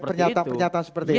pernyataan pernyataan seperti itu